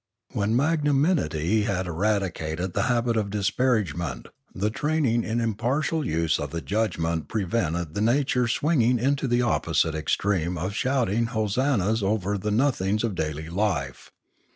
When magnanimity had eradicated the habit of disparagement, the training in impartial use of the judgment prevented the nature swinging into the opposite extreme of shouting hosan nas over the nothings of daily life.